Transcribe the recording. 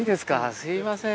すいません。